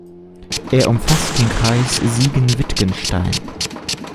Er umfasst den Kreis Siegen-Wittgenstein.